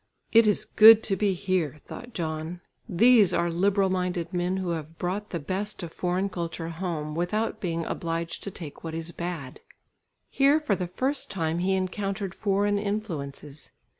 "It is good to be here," thought John. "These are liberal minded men who have brought the best of foreign culture home, without being obliged to take what is bad." Here for the first time, he encountered foreign influences.